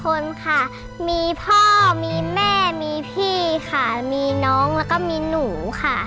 คนค่ะมีพ่อมีแม่มีพี่ค่ะมีน้องแล้วก็มีหนูค่ะ